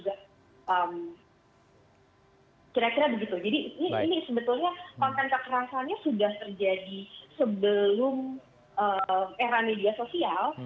jadi ini sebetulnya konten kekerasannya sudah terjadi sebelum era media sosial